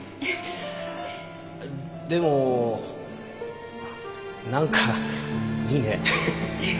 でも何かいいね